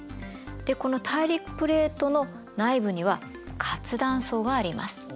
でこの大陸プレートの内部には活断層があります。